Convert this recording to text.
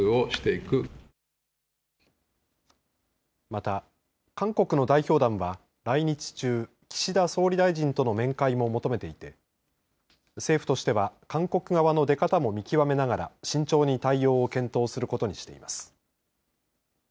また、韓国の代表団は来日中、岸田総理大臣との面会も求めていて政府としては韓国側の出方も見極めながら慎重に対応を検討することにしています。